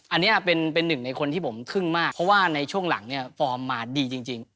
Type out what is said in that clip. อันนี้เป็นหนึ่งในคนที่ผมทึ่งมากเพราะว่าในช่วงหลังเนี่ยฟอร์มมาดีจริง